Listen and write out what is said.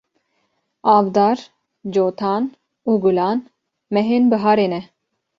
Avdar, Cotan û Gulan mehên buharê ne.